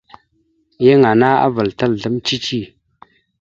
Yan ana avəlatal azlam cici.